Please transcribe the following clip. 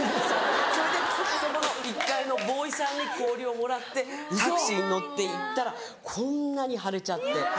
それでそこの１階のボーイさんに氷をもらってタクシーに乗って行ったらこんなに腫れちゃって。